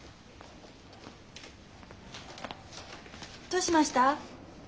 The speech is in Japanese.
どうしました？